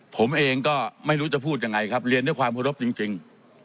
ผมเองก็ไม่รู้จะพูดยังไงครับเรียนด้วยความเคารพจริง